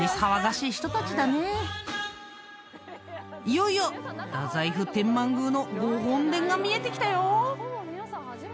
［いよいよ太宰府天満宮のご本殿が見えてきたよ］